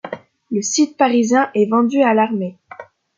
Le site parisien est vendu à l'Armée.